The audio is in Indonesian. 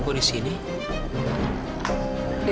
kita telah ikut laila